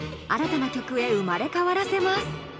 新たな曲へ生まれ変わらせます。